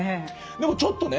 でもちょっとね